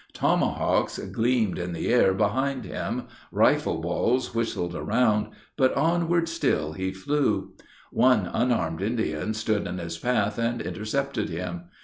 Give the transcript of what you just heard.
Tomahawks gleamed in the air behind him rifle balls whistled around but onward still he flew. One unarmed Indian stood in his path and intercepted him.